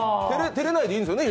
照れないでいいんですよね。